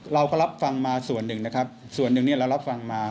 เราก็รับฟังมาส่วนหนึ่งนะครับส่วนหนึ่งเนี่ยเรารับฟังมา